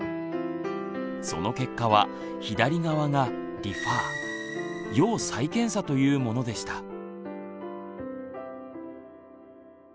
その結果は左側が「リファー」要再検査というものでした。